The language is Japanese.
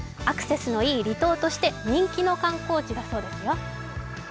アクセスのいい離島として人気の観光地だそうですよ。